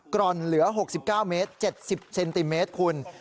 กร่อนเหลือ๖๙เมตร๗๐เซนติเมตรคุณ